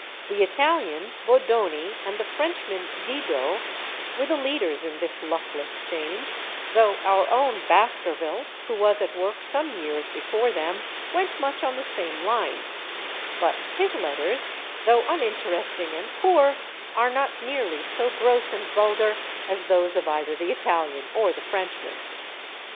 The Italian, Bodoni, and the Frenchman, Didot, were the leaders in this luckless change, though our own Baskerville, who was at work some years before them, went much on the same lines; but his letters, though uninteresting and poor, are not nearly so gross and vulgar as those of either the Italian or the Frenchman.